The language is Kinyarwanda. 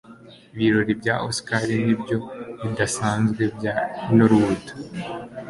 ibirori bya oscar nibyo bidasanzwe bya hollywood